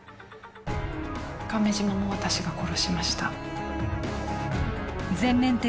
亀島も私が殺しました